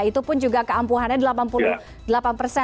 itu pun juga keampuhannya delapan puluh delapan persen